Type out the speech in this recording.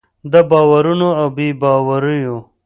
د باورونو او بې باوریو